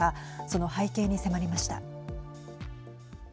その背景に迫りました。